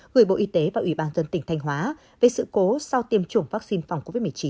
gửi bộ y tế và ủy ban dân tỉnh thanh hóa về sự cố sau tiêm chủng vaccine phòng covid một mươi chín